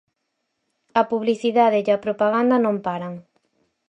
A publicidade e a propaganda non paran.